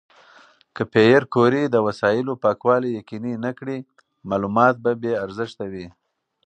که پېیر کوري د وسایلو پاکوالي یقیني نه کړي، معلومات به بې ارزښته وي.